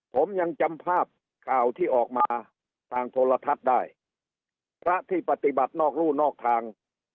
ผมยังจำภาพข่าวที่ออกมาทางโทรทัศน์ได้พระที่ปฏิบัตินอกรู่นอกทาง